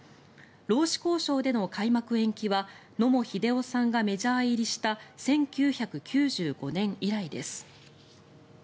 労使交渉での開幕延期は野茂英雄さんがメジャー入りした１９９５年以来です。